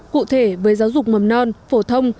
cụ thể với giáo dục mầm non phổ thông